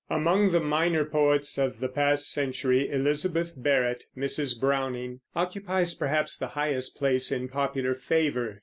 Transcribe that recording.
Among the minor poets of the past century Elizabeth Barrett (Mrs. Browning) occupies perhaps the highest place in popular favor.